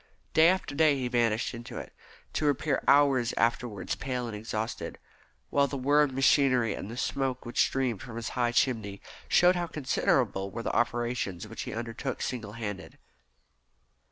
Day after day he vanished into it, to reappear hours afterwards pale and exhausted, while the whirr of machinery and the smoke which streamed from his high chimney showed how considerable were the operations which he undertook single handed.